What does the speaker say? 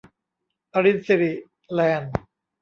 อรินสิริ แลนด์